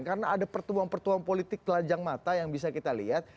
karena ada pertemuan pertemuan politik telanjang mata yang bisa kita lihat